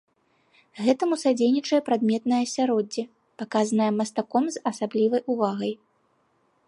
Гэтаму садзейнічае прадметнае асяроддзе, паказанае мастаком з асаблівай увагай.